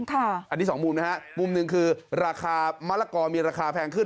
อันนี้สองมุมนะฮะมุมหนึ่งคือราคามะละกอมีราคาแพงขึ้น